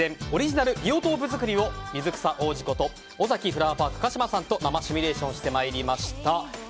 オリジナルビオトープ作りを水草王子ことオザキフラワーパーク鹿島さんと生趣味レーションしてまいりました。